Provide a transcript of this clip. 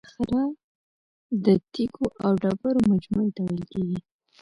صخره د تیکو او ډبرو مجموعې ته ویل کیږي.